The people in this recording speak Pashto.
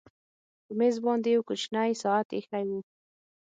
په مېز باندې یو کوچنی ساعت ایښی و